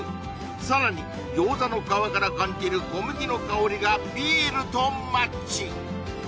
さらに餃子の皮から感じる小麦の香りがビールとマッチ